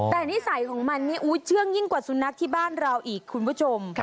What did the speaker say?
แต่นิสัยของมันนี่เชื่องยิ่งกว่าสุนัขที่บ้านเราอีกคุณผู้ชม